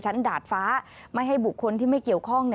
ดาดฟ้าไม่ให้บุคคลที่ไม่เกี่ยวข้อง